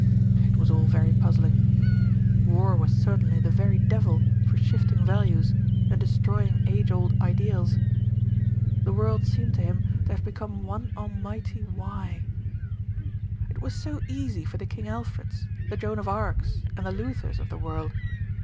It was all very puzzling. War was certainly the very devil for shifting values and destroying age old ideals. MISS LIPSCOMBE DECIDES ON NEUTRALITY 139 The world seemed to him to have become one almighty Why? It was so easy for the King Alfreds, the Joan of Arcs and the Luthers of the world.